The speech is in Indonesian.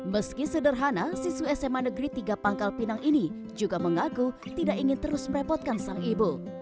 meski sederhana siswi sma negeri tiga pangkal pinang ini juga mengaku tidak ingin terus merepotkan sang ibu